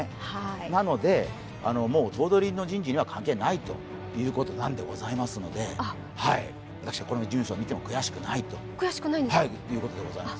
なので、もう頭取の人事には関係ないということなんでございますので私は、このニュースを見ても悔しくないということでございます。